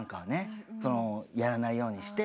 そのやらないようにして。